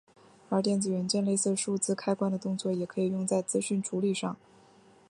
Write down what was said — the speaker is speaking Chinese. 而电子元件类似数字开关的动作也可以用在资讯处理上。